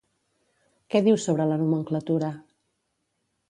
Què diu sobre la nomenclatura?